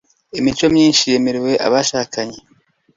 imico myinshi yemererwa abashakanye